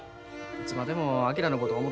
いつまでも昭のこと思